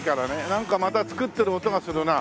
なんかまた造ってる音がするな。